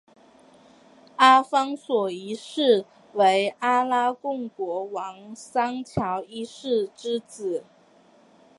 阿方索一世为阿拉贡国王桑乔一世之子。